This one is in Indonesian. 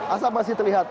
asap masih terlihat